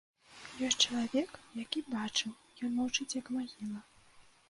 Ёсць чалавек, які бачыў, ён маўчыць як магіла.